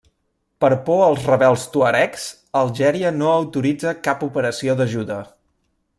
Per por als rebels tuaregs, Algèria no autoritza cap operació d'ajuda.